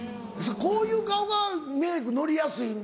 こういう顔がメークのりやすいんですか？